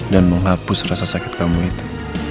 dan menghapus rasa sakit kamu itu